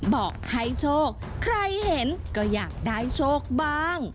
บอกให้โชคใครเห็นก็อยากได้โชคบ้าง